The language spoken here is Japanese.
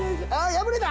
破れた！